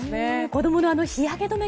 子供の日焼け止め